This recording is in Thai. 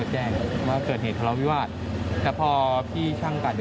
ช่างไม่ได้เปิดครับเคาะประตูเฉยครับ